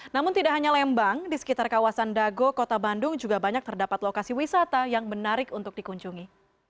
namun tidak hanya lembang di sekitar kawasan dago kota bandung juga banyak terdapat lokasi wisata yang menarik untuk dikunjungi